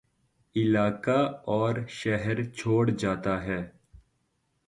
علاقہ اور شہرچھوڑ جاتا ہے